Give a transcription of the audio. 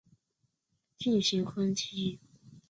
也有研究针对代码审查找到的缺陷类型进行分析。